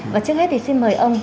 và trước hết thì xin mời ông